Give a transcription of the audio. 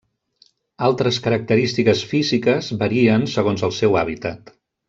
Altres característiques físiques varien segons el seu hàbitat.